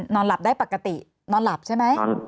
นอนหลับได้ปกตินอนหลับใช่ไหม